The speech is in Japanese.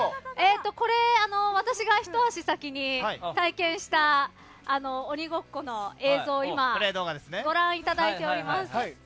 これ、私がひと足先に体験した鬼ごっこの映像を今ご覧いただいております。